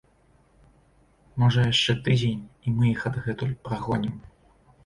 Можа яшчэ тыдзень, і мы іх адгэтуль прагонім.